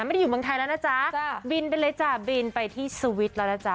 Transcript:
ไม่ได้อยู่เมืองไทยแล้วนะจ๊ะบินไปเลยจ้ะบินไปที่สวิตช์แล้วนะจ๊